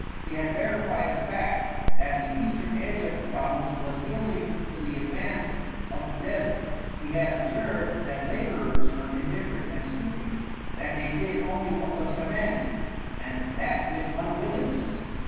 He had verified the fact that the eastern edge of the province was yielding to the advance of the desert. He had observed that laborers were indifferent and stupid; that they did only what was commanded, and that with unwillingness.